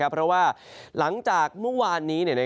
เพราะว่าหลังจากเมื่อวานนี้